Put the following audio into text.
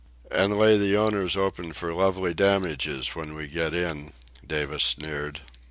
"An' lay the owners open for lovely damages when we get in," Davis sneered.